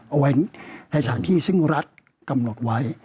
เอาไว้ในสถานที่ซึ่งรัฐกำหนดไว้